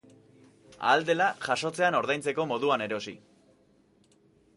Ahal dela, jasotzean ordaintzeko moduan erosi.